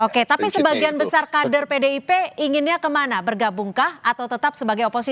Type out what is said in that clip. oke tapi sebagian besar kader pdip inginnya kemana bergabungkah atau tetap sebagai oposisi